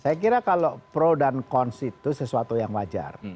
saya kira kalau pro dan kons itu sesuatu yang wajar